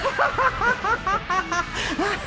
ハハハハ！